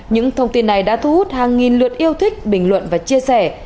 những thông tin này đã thu hút hàng nghìn lượt yêu thích bình luận và chia sẻ